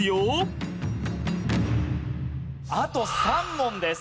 あと３問です。